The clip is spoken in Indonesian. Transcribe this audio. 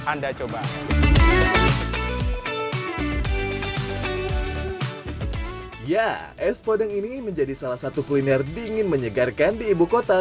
anda coba ya es podeng ini menjadi salah satu kuliner dingin menyegarkan di ibu kota